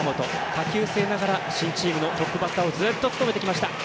下級生ながら新チームのトップバッターをずっと務めてきました。